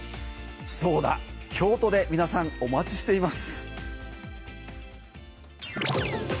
そうだ、京都で皆さんお待ちしています。